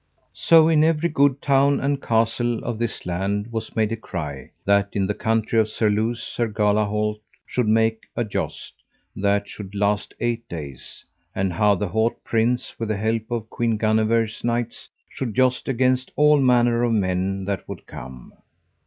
So in every good town and castle of this land was made a cry, that in the country of Surluse Sir Galahalt should make a joust that should last eight days, and how the haut prince, with the help of Queen Guenever's knights, should joust against all manner of men that would come.